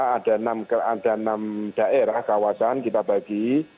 ada enam daerah kawasan kita bagi